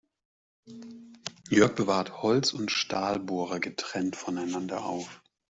Jörg bewahrt Holz- und Stahlbohrer getrennt voneinander auf.